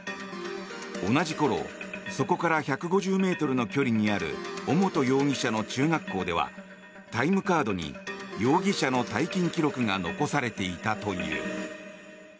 同じ頃そこから１５０ｍの距離にある尾本容疑者の中学校ではタイムカードに容疑者の退勤記録が残されていたという。